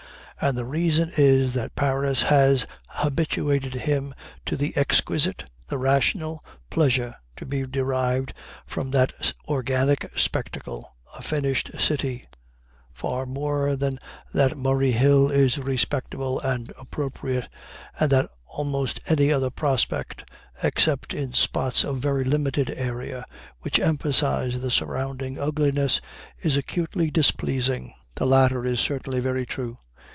And the reason is that Paris has habituated him to the exquisite, the rational, pleasure to be derived from that organic spectacle a "finished city," far more than that Murray Hill is respectable and appropriate, and that almost any other prospect, except in spots of very limited area which emphasize the surrounding ugliness, is acutely displeasing. This latter is certainly very true.